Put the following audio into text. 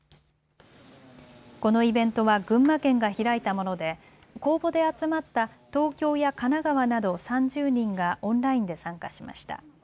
このイベントは群馬県が開いたもので公募で集まった東京や神奈川などの３０人がオンラインで参加しました。